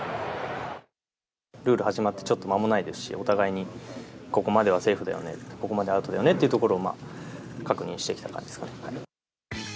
ルール始まってちょっと間もないですし、お互いにここまではセーフだよね、ここまでアウトだよねというところを確認してきた感じですかね。